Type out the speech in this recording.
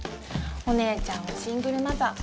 お姉ちゃんはシングルマザー